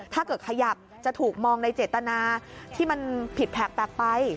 ถ้าเกิดขยับจะถูกมองในเจตนาที่มันผิดแผลกแปลกไป